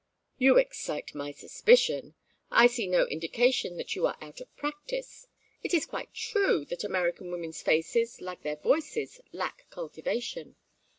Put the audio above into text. "You excite my suspicion: I see no indication that you are out of practice. It is quite true that American women's faces, like their voices, lack cultivation.